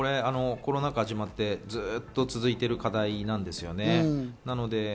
コロナ禍が始まって、ずっと続いている課題です。